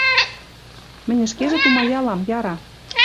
Мӹньӹ ӹшкежӹ тумаялам, яра